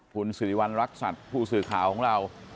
คุณสิริวัณรักษัตริย์ผู้สื่อข่าวของเรา